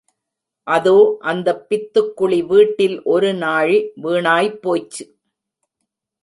அதோ அந்தப் பித்துக்குளி வீட்டில் ஒரு நாழி வீணாய் போய்ச்சு.